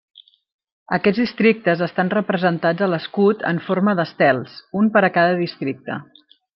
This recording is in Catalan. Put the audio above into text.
Aquests districtes estan representats a l'escut en forma d'estels, un per a cada districte.